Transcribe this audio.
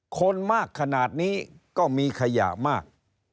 คนมากขนาดนี้ก็มีขยะมาก